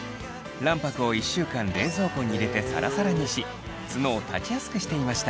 卵白を１週間冷蔵庫に入れてサラサラにしツノを立ちやすくしていました。